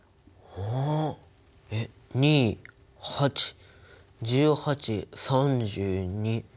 んえっ２８１８３２。